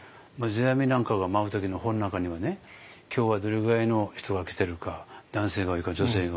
世阿弥なんかが舞う時の本の中にはね今日はどれぐらいの人が来てるか男性が多いか女性が多いか。